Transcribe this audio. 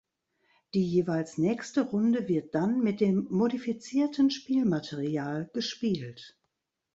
Die jeweils nächste Runde wird dann mit dem modifizierten Spielmaterial gespielt.